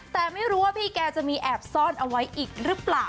แต่ไม่รู้ว่าพี่แกจะมีแอบซ่อนเอาไว้อีกหรือเปล่า